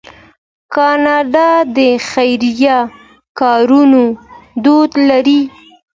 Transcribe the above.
کاناډا د خیریه کارونو دود لري.